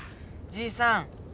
じいさん。